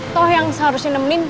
toh yang seharusnya nemenin